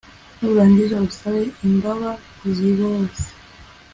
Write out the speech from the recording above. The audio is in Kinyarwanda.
nurangiza usabe imbaba zibose